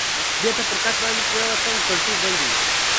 بېرته پر کټ باندې پرېوتم، کړکۍ بندې وې.